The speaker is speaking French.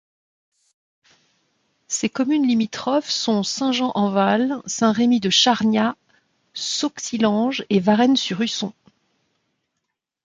Ses communes limitrophes sont Saint-Jean-en-Val, Saint-Rémy-de-Chargnat, Sauxillanges et Varennes-sur-Usson.